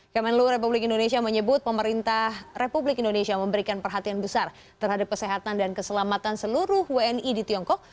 kemenlu republik indonesia menyebut pemerintah republik indonesia memberikan perhatian besar terhadap kesehatan dan keselamatan seluruh wni di tiongkok